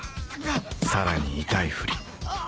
さらに痛いふりあぁ！